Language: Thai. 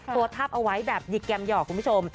ทับเอาไว้แบบหยิกแกมหยอกคุณผู้ชม